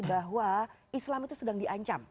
bahwa islam itu sedang diancam